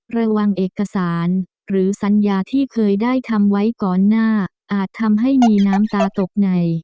ระวังเอกสารหรือสัญญาที่เคยได้ทำไว้ก่อนหน้าอาจทำให้มีน้ำตาตกใน